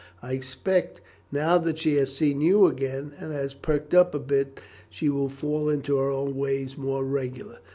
I expect, now that she has seen you again, and has perked up a bit, she will fall into her old ways more regular.